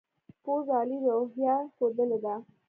پوځ عالي روحیه ښودلې ده.